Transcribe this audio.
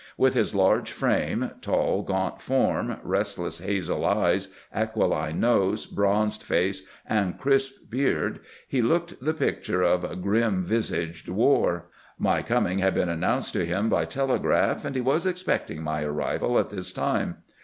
With his large frame, tall, gaunt form, restless hazel eyes, aquiline nose, bronzed face, and crisp beard, he looked the picture of "grim visaged war." My coming had been announced to him by telegraph, and he was expecting my arrival at this time.